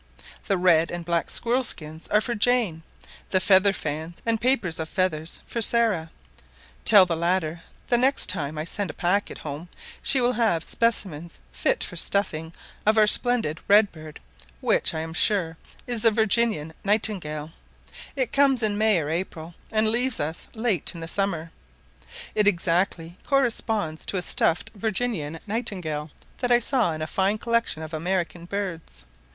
The red and black squirrel skins are for Jane; the feather fans, and papers of feathers, for Sarah. Tell the latter the next time I send a packet home, she shall have specimens fit for stuffing of our splendid red bird, which, I am sure, is the Virginian nightingale; it comes in May or April, and leaves us late in the summer: it exactly corresponds to a stuffed Virginian nightingale that I saw in a fine collection of American birds.